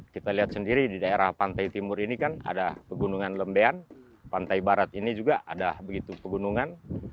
kita lihat sendiri di daerah pantai timur ini kan ada pegunungan lembean pantai barat ini juga ada begitu pegunungan